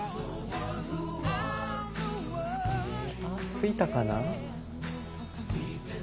ついたかな？